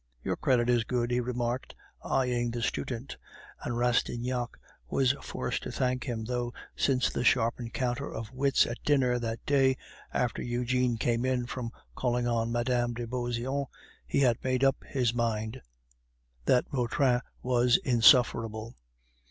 "Your credit is good," he remarked, eyeing the student, and Rastignac was forced to thank him, though, since the sharp encounter of wits at dinner that day, after Eugene came in from calling on Mme. de Beauseant, he had made up his mind that Vautrin was insufferable.